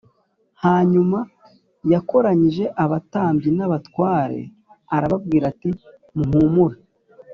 Hanyuma yakoranyije abatambyi n abatware arababwira ati muhumure